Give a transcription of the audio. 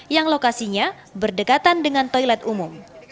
yang lokasinya berdekatan dengan toilet umum